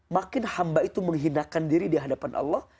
makin hamba itu menghinakan diri di hadapan allah